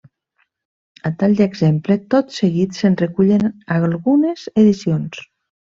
A tall d'exemple, tot seguit se'n recullen algunes edicions.